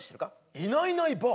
いないいないばあ？